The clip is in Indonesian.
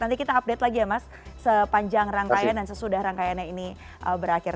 nanti kita update lagi ya mas sepanjang rangkaian dan sesudah rangkaiannya ini berakhir